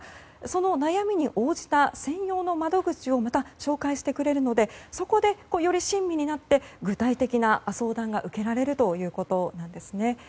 その悩みに応じた専用の窓口を紹介してくれるのでそこで、より親身になって具体的な相談が受けられるということです。